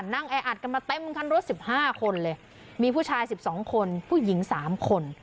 แออัดกันมาเต็มคันรถ๑๕คนเลยมีผู้ชาย๑๒คนผู้หญิง๓คน